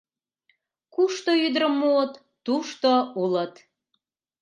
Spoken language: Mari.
Кушто ӱдырым муыт, тушто улыт.